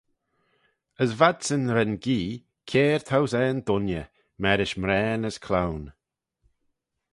As v'adsyn ren gee, kiare thousane dooinney, marish mraane as cloan.